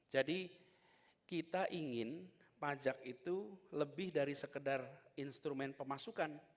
jadi kita ingin pajak itu lebih dari sekedar instrumen pemasukan